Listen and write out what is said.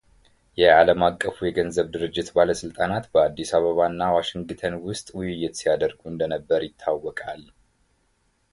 የዓለም አቀፉ የገንዘብ ድርጅት ባለሥልጣናት በአዲስ አበባ እና ዋሽንግተን ውስጥ ውይይት ሲያደርጉ እንደነበር ይታወቃል።